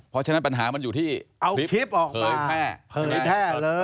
เพราะฉะนั้นปัญหามันอยู่ที่เผยแพร่